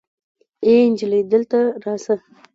آې انجلۍ دلته راسه